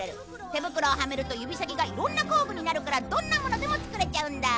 手袋をはめると指先がいろんな工具になるからどんなものでも作れちゃうんだ